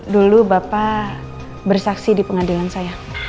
dulu bapak bersaksi di pengadilan saya